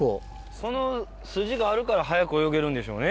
その筋があるから速く泳げるんでしょうね。